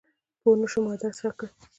پوه نه شوم ادرس راکړه !